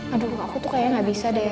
aduh aku tuh kayaknya gak bisa deh